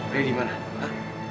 dia dimana ha